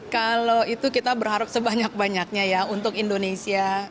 kalau itu kita berharap sebanyak banyaknya ya untuk indonesia